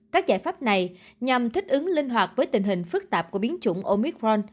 các giải pháp này nhằm thích ứng linh hoạt với tình hình phức tạp của biến chủng omicron